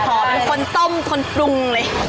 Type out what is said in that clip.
เป็นคนต้มคนปรุงเลย